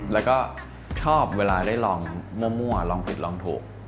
แล้วก็ชอบเวลาได้ลองมั่วลองผิดลองถูก